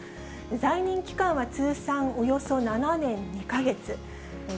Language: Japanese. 在任期間は通算およそ７年２か月。